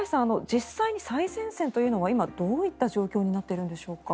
実際に最前線は今、どういった状況になっているのでしょうか。